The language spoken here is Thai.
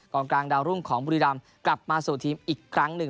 กลางดาวรุ่งของบุรีรำกลับมาสู่ทีมอีกครั้งหนึ่ง